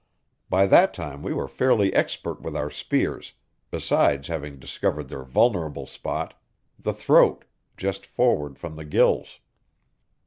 By that time we were fairly expert with our spears, besides having discovered their vulnerable spot the throat, just forward from the gills.